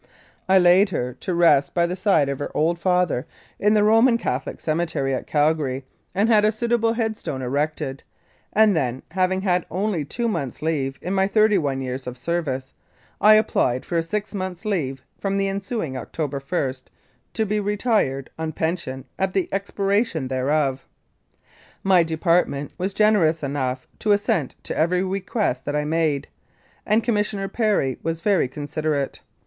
I laid her to rest by the side of her old father 130 The Passing of Calgary Barracks. 1914 in the Roman Catholic Cemetery at Calgary, had a suitable headstone erected, and then, having had only two months' leave in my thirty one years of service, I applied for six months' leave from the ensuing October i, to be retired on pension at the expiration thereof. My department was generous enough to assent to every request that I made, and Commissioner Perry was very considerate.